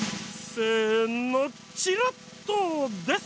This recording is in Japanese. せのチラッとです！